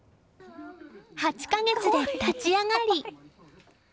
８か月で立ち上がり